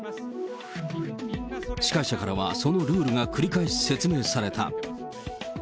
司会者からは、そのルールが繰り返し説明された。